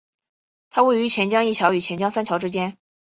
它位于钱江一桥与钱江三桥之间。